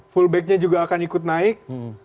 fullbacknya juga akan ikut naik